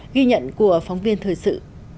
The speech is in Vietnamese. ghi nhận của phóng viên thời sự